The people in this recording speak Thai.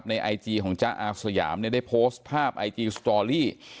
ไอจีของจ๊ะอาสยามเนี่ยได้โพสต์ภาพไอจีสตอรี่